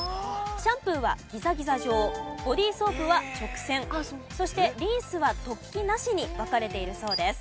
シャンプーはギザギザ状ボディーソープは直線そしてリンスは突起なしに分かれているそうです。